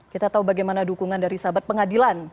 kita tahu bagaimana dukungan dari sahabat pengadilan